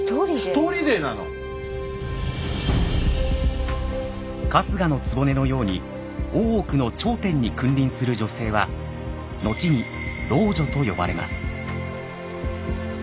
一人でなの⁉春日局のように大奥の頂点に君臨する女性は後に「老女」と呼ばれます。